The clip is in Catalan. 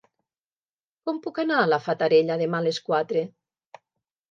Com puc anar a la Fatarella demà a les quatre?